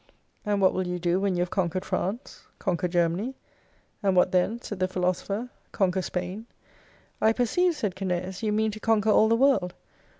And what will you do when you have con quered France ? Conquer Germany. And what then ? said the philosopher. Conquer Spain. I perceive, said Cineas, you mean to conquer all the World.